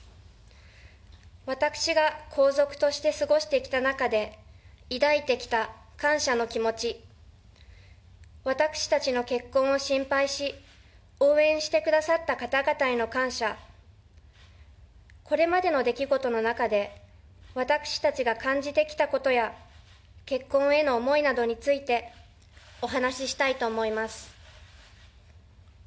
私が皇族として過ごしてきた中で、抱いてきた感謝の気持ち、私たちの結婚を心配し、応援してくださった方々への感謝、これまでの出来事の中で、私たちが感じてきたことや、結婚への思いなどについて、お話ししたいと思います。